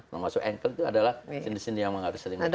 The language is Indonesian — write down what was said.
termasuk engkel itu adalah sendi sendi yang harus sering bergerak